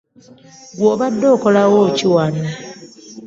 Ggwe obadde okolawo ki wano?